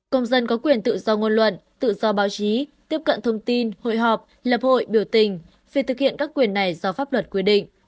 công dân có quyền tự do ngôn luận tự do báo chí tiếp cận thông tin hội họp lập hội biểu tình vì thực hiện các quyền này do pháp luật quy định